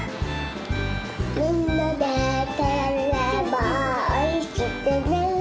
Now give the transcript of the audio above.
みんなでたべればおいしくなる。